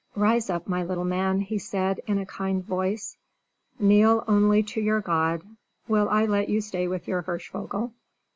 "Rise up, my little man," he said, in a kind voice; "kneel only to your God. Will I let you stay with your Hirschvogel?